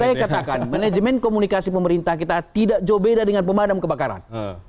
saya katakan manajemen komunikasi pemerintah kita tidak jauh beda dengan pemadam kebakaran